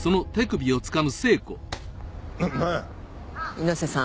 猪瀬さん